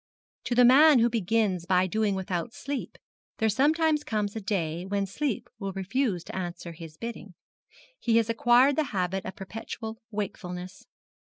To the man who begins by doing without sleep there sometimes comes a day when sleep will refuse to answer to his bidding. He has acquired the habit of perpetual wakefulness.